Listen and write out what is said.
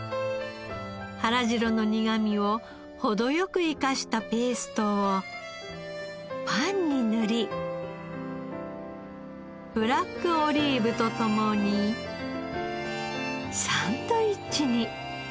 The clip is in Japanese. はらじろの苦みを程良く生かしたペーストをパンに塗りブラックオリーブと共にサンドイッチに。